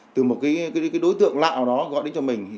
từ một đối tượng lạ đó gọi đến cho mình